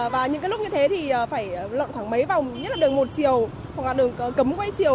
và những cái lúc như thế thì phải lộn khoảng mấy vòng nhất là đường một chiều hoặc là đường cấm quay chiều